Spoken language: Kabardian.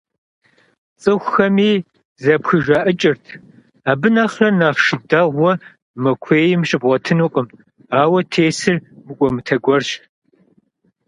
ЦӀыхухэми зэпхыжаӀыкӀырт: «Абы нэхърэ нэхъ шы дэгъуэ мы куейм щыбгъуэтынкъым, ауэ тесыр мыкӀуэмытэ гуэрщ».